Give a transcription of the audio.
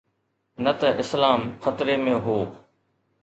نه ته اسلام خطري ۾ هو.